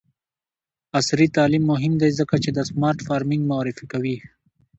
عصري تعلیم مهم دی ځکه چې د سمارټ فارمینګ معرفي کوي.